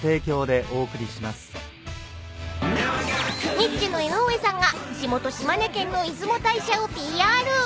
［ニッチェの江上さんが地元島根県の出雲大社をＰＲ］